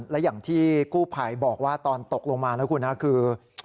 และอย่างที่กู้ภัยบอกว่าตอนตกลงมานะคุณนะคือ